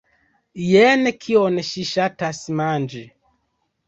Jen kion ŝi ŝatas manĝi